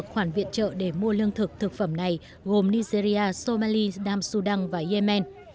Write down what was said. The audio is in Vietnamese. khoản viện trợ để mua lương thực thực phẩm này gồm nigeria somali nam sudan và yemen